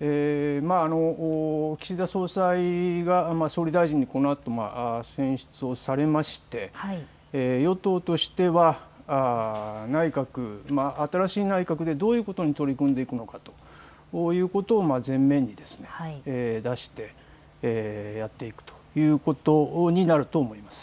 岸田総裁が総理大臣にこのあと選出されまして与党としては内閣、新しい内閣でどういうことに取り組んでいくのかということをまず前面に出してやっていくということになると思います。